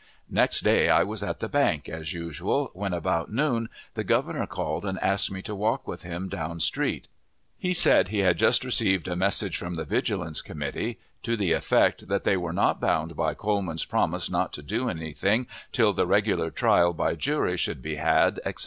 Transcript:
Next day I was at the bank, as usual, when, about noon the Governor called, and asked me to walk with him down street He said he had just received a message from the Vigilance Committee to the effect that they were not bound by Coleman's promise not to do any thing till the regular trial by jury should be had, etc.